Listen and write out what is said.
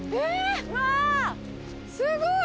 すごい！